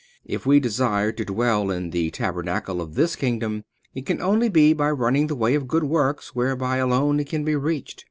If we desire to dwell in the tabernacle of this kingdom, it can only be by running the way of good works, whereby alone it can be reached.